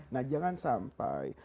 nah jangan sampai